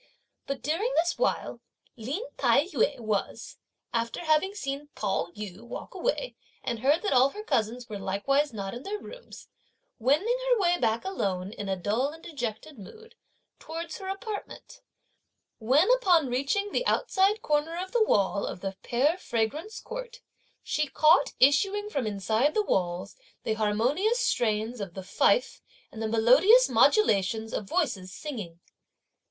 But during this while, Lin Tai yü was, after having seen Pao yü walk away, and heard that all her cousins were likewise not in their rooms, wending her way back alone, in a dull and dejected mood, towards her apartment, when upon reaching the outside corner of the wall of the Pear Fragrance court, she caught, issuing from inside the walls, the harmonious strains of the fife and the melodious modulations of voices singing.